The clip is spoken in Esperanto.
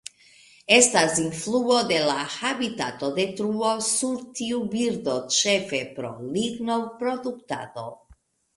Estas influo de la habitatodetruo sur tiu birdo, ĉefe pro lignoproduktado.